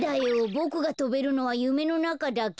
ボクがとべるのはゆめのなかだけ。